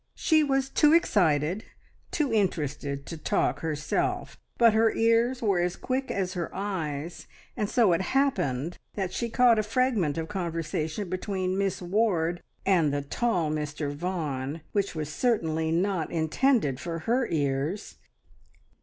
She was too excited, too interested, to talk herself, but her ears were as quick as her eyes, and so it happened that she caught a fragment of conversation between Miss Ward and the tall Mr Vaughan, which was certainly not intended for her ears.